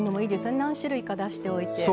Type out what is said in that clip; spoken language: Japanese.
何種類か出しておいて。